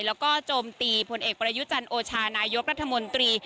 แล้วก็โจมตีผลเอกประยุจันโอชานายกรัฐมนตรี